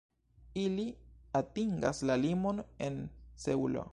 Ili atingas la limon el Seulo.